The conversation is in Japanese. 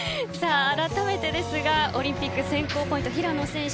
あらためてですがオリンピック選考ポイント平野選手